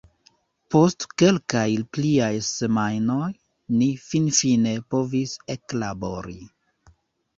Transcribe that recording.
Post kelkaj pliaj semajnoj, ni finfine povis eklabori.